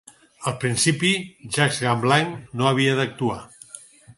Al principi, Jacques Gamblin no havia d'actuar.